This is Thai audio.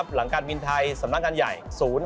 หลังการวินไทยสำนักการใหญ่๐๖๕๑๕๔๖๕๙๕